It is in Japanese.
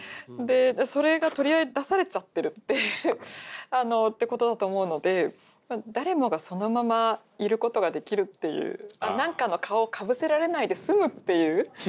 でそれが取り出されちゃってるってことだと思うので誰もがそのままいることができるっていう何かの顔をかぶせられないで済むっていう。